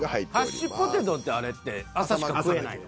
ハッシュポテトってあれって朝しか食えないの？